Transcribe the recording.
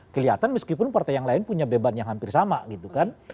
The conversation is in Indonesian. kelihatan meskipun partai yang lain punya beban yang hampir sama gitu kan